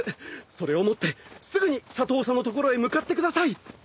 それを持ってすぐに里おさのところへ向かってください。